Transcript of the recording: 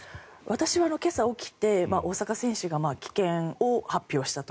私は今朝起きて大坂選手が棄権を発表したと。